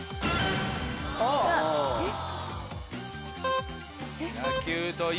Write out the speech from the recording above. えっ？